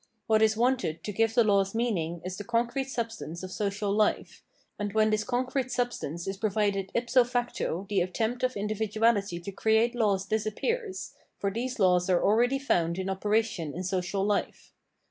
What is wanted to give the laws meaning is the concrete substance of social life : and when this concrete substance is provided ipso facto the attempt of individuality to create laws disappears, for these laws are already found in operation in social life.